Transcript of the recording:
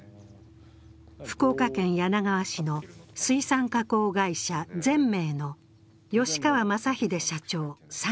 福岡県柳川市の水産加工会社、善明の吉川昌秀社長